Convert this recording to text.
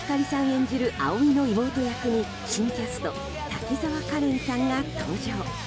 演じる葵の妹役に新キャスト滝沢カレンさんが登場。